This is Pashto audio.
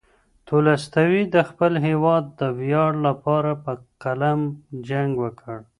تولستوی د خپل هېواد د ویاړ لپاره په قلم جنګ وکړ.